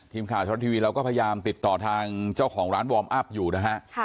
ตลอดทีวีเราก็พยายามติดต่อทางเจ้าของร้านวอร์มอัพอยู่นะฮะ